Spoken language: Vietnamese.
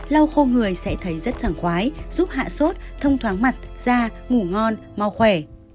lau khô người sẽ thấy rất thẳng quái giúp hạ sốt thông thoáng mặt da ngủ ngon mau khỏe